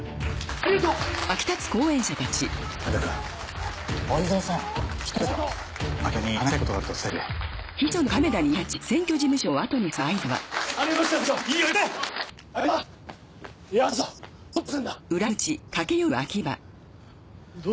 ありがとう！